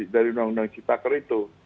dari undang undang ciptaker itu